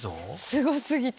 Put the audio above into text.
すご過ぎて。